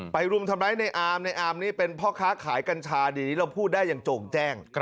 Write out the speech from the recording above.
รุมทำร้ายในอามในอาร์มนี่เป็นพ่อค้าขายกัญชาดีเราพูดได้อย่างโจ่งแจ้ง